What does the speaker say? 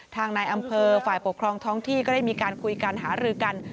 ทางนายอำเภอฝ่ายปกครองท้องที่ก็ได้มีการคุยกันหารือกัน